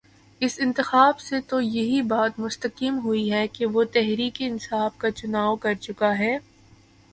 اس انتخاب سے تو یہی بات مستحکم ہوئی کہ وہ تحریک انصاف کا چناؤ کر چکا ہے۔